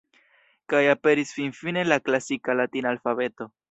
Kaj aperis finfine la "klasika" latina alfabeto.